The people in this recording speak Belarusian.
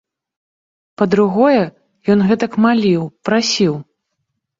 Па-другое, ён гэтак маліў, прасіў.